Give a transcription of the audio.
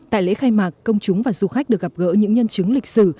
tại lễ khai mạc công chúng và du khách được gặp gỡ những nhân chứng lịch sử